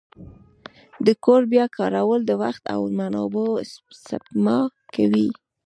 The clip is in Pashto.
د کوډ بیا کارول د وخت او منابعو سپما کوي.